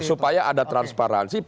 supaya ada transparansi